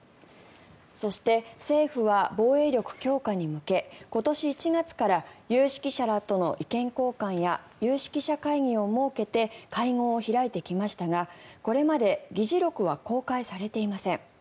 そして、政府は防衛力強化に向け今年１月から有識者らとの意見交換や有識者会議を設けて会合を開いてきましたがこれまで議事録は公開されていません。